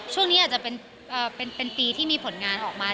ช่วงนี้อาจจะเป็นปีที่มีผลงานออกมา